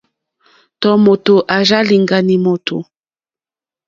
Tɔ̀ mòtò àrzá lìɡànì mòtò.